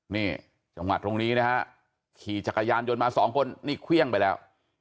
นี่จังหวัดตรงนี้นะฮะขี่จักรยานยนต์มาสองคนนี่เครื่องไปแล้ว